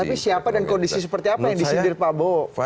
tapi siapa dan kondisi seperti apa yang disindir pak prabowo